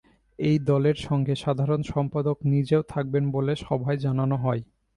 এই দলের সঙ্গে সাধারণ সম্পাদক নিজেও থাকবেন বলে সভায় জানানো হয়।